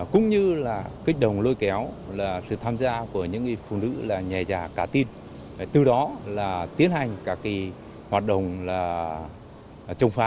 cũng như kích động lôi kéo là sự tham gia của những phụ nữ nhà già cá tin từ đó tiến hành các hoạt động chống phá